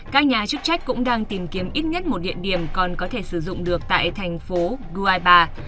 các nhà chức trách cũng đang tìm kiếm ít nhất một địa điểm còn có thể sử dụng được tại thành phố dubaibaba